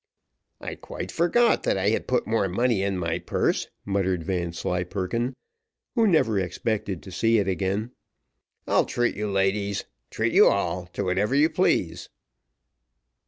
"I quite forgot that I had put more money in my purse," muttered Vanslyperken, who never expected to see it again. "I'll treat you, ladies treat you all to whatever you please."